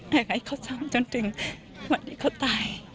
อยากให้เขาทำจนถึงวันที่เขาตาย